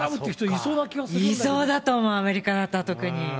いそうだと思う、アメリカだったら特に。